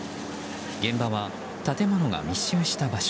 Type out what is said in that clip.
現場は建物が密集した場所。